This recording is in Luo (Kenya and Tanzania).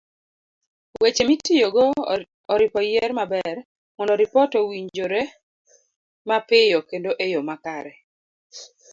Weche mitiyogo oripo yier maber, mondo ripot owinjore mapiyo kendo eyo makare.